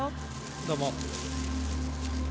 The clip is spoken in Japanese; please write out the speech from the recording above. どうも。